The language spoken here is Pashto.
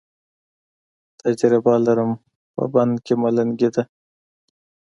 تجره لرم، په بنګ کې ملنګي ده